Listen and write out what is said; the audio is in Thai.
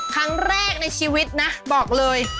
ครั้งแรกในชีวิตนะบอกเลย